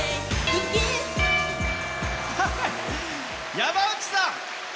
山内さん。